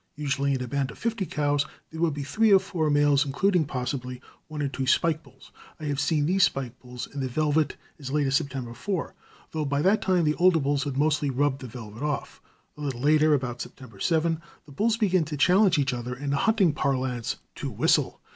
Usually, in a band of fifty cows, there would be three or four males, including, possibly, one or two spike bulls.[A] I have seen these spike bulls in the velvet as late as September 4, though by that time the older bulls had mostly rubbed the velvet off. A little later, about September 7, the bulls begin to challenge each other, in hunting parlance, "to whistle."